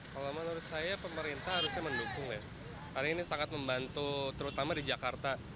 kalau menurut saya pemerintah harusnya mendukung ya karena ini sangat membantu terutama di jakarta